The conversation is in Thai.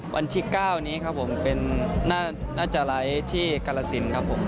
วันที่๙นี้ครับผมน่าจะไลฟ์ที่กรสินครับผม